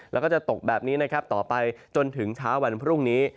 แล้วก็จะตกแบบนี้นะครับต่อไปจนถึงเช้าวันพรุ่งนี้